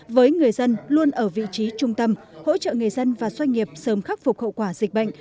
với người dân luôn ở vị trí trung tâm hỗ trợ người dân và doanh nghiệp sớm khắc phục hậu quả dịch bệnh